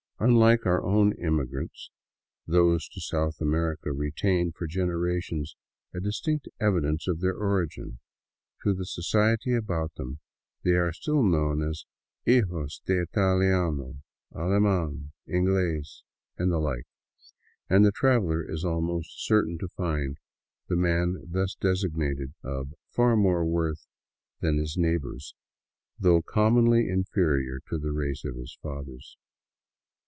Unlike our own immigrants, those to South America retain for generations a distinct evidence of their origin; to the society about them they are still known as " hijos de italiano, aleman, ingles," and the like, and the traveler is almost cer tain to find the man thus designated of far more worth than his neigh bors, though commonly inferior to the race of his fathers.